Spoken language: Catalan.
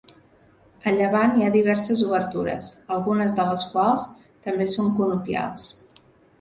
A llevant hi ha diverses obertures, algunes de les quals també són conopials.